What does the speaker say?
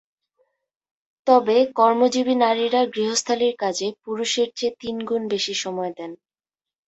তবে কর্মজীবী নারীরা গৃহস্থালির কাজে পুরুষের চেয়ে তিন গুণ বেশি সময় দেন।